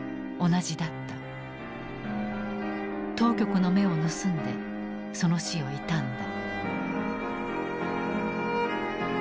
当局の目を盗んでその死を悼んだ。